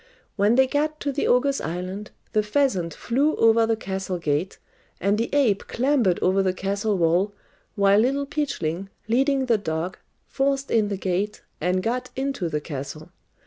When they got to the ogres' island, the pheasant flew over the castle gate, and the ape clambered over the castle wall, while Little Peachling, leading the dog, forced in the gate, and got into the castle.